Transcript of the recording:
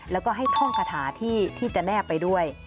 แล้วก็ให้ท่องคาถาที่จะแนบไปด้วย